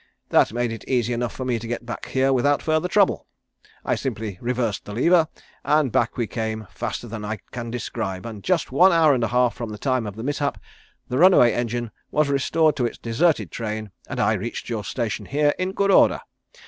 That made it easy enough for me to get back here without further trouble. I simply reversed the lever, and back we came faster than I can describe, and just one hour and a half from the time of the mishap the runaway engine was restored to its deserted train and I reached your station here in good order.